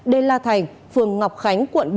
đê la thành phường ngọc khánh quận ba